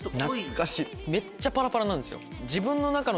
めっちゃパラパラなんですよ。